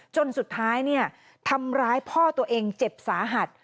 จนสุดท้ายทำร้ายพ่อตัวเองเจ็บสาหัส